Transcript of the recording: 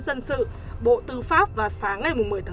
dân sự bộ tư pháp vào sáng